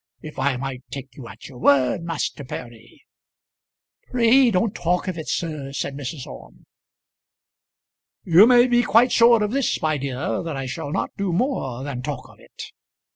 "If I might take you at your word, Master Perry ." "Pray don't talk of it, sir," said Mrs. Orme. "You may be quite sure of this, my dear that I shall not do more than talk of it."